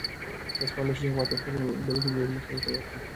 تاسو کولای شئ چې حبوبات په خپلو ډالیو کې بېوزلو خلکو ته ورکړئ.